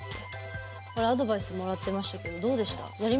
あれアドバイスもらってましたけどどうでした？